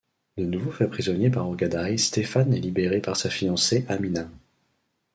De nouveau fait prisonnier par Ogodaï, Stephane est libéré par sa fiancée Amina.